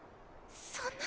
そんな。